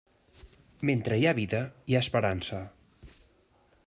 Mentre hi ha vida hi ha esperança.